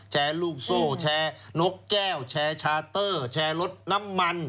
แชร์ลูกโซ่แชร์นกแก้วแชร์ชาเตอร์แชร์รถน้ำมัน